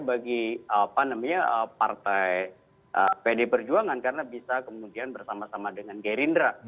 bagi apa namanya partai pd perjuangan karena bisa kemudian bersama sama dengan gerindra